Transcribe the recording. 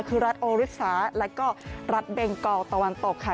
คือรัฐโอริสาแล้วก็รัฐเบงกอลตะวันตกค่ะ